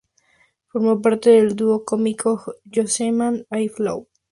Formó parte del dúo cómico "Josema y Flo".